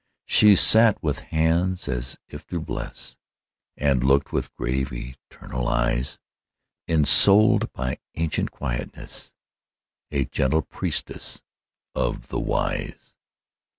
She sat with hands as if to bless, And looked with grave, ethereal eyes; Ensouled by ancient quietness, A gentle priestess of the Wise.